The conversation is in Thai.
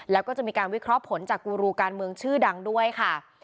แล้วก็จะมีการวิเคราะห์ผลจากกูรูการเมืองชื่อดังด้วยค่ะ